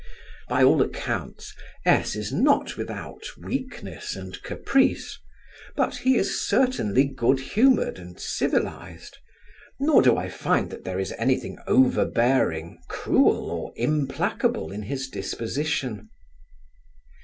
By all accounts, S is not without weakness and caprice; but he is certainly good humoured and civilized; nor do I find that there is any thing overbearing, cruel, or implacable in his disposition.